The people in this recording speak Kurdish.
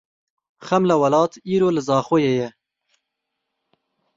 Xemla Welat îro li Zaxoyê ye.